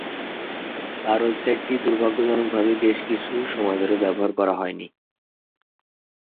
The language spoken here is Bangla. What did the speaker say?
তার ওয়েবসাইট দুর্ভাগ্যজনকভাবে বেশ কিছু সময় ধরে ব্যবহার করা হয়নি।